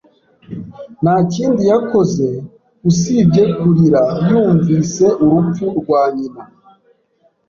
Nta kindi yakoze usibye kurira yumvise urupfu rwa nyina.